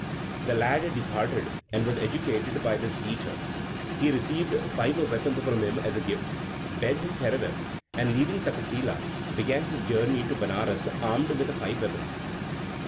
The lad departed, and was educated by this teacher; he received the Five Weapons from him as a gift, bade him farewell, and leaving Takkasila, he began his journey to Benares, armed with the Five Weapons.